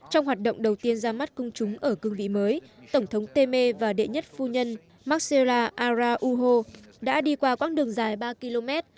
trong hoạt động đầu tiên ra mắt công chúng ở cương vị mới tổng thống temer và đệ nhất phu nhân marcera arauho đã đi qua quãng đường dài ba km